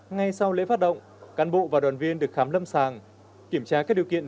ngay sau lễ phát động cán bộ và đoàn viên được khám lâm sàng kiểm tra các điều kiện